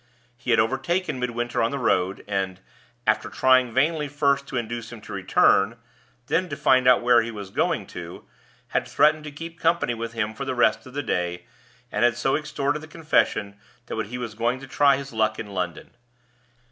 He had overtaken Midwinter on the road; and after trying vainly first to induce him to return, then to find out where he was going to had threatened to keep company with him for the rest of the day, and had so extorted the confession that he was going to try his luck in London.